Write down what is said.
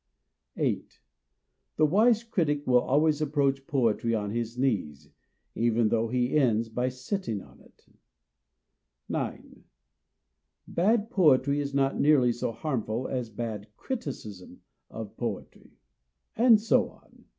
8. The wise critic will always approach poetry on his knees, even though he ends by sitting on it. POETS AND CRITICS 239 9. Bad poetry is not nearly so harmful as bad criticism of poetry. And so on.